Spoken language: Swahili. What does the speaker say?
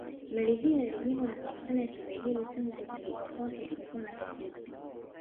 Meli hiyo ilijengwa na kampuni ya Kibelgiji tangu kuzinduliwa kwake ilikuwa na tatizo